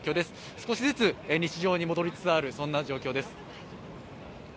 少しずつ日常に戻りつつあるそんな状況です。